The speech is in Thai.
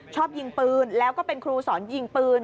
ชอบยิงปืนแล้วก็เป็นครูสอนยิงปืน